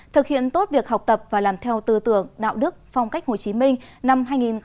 thực hiện tốt việc học tập và làm theo tư tưởng đạo đức phong cách hồ chí minh năm hai nghìn một mươi tám hai nghìn một mươi chín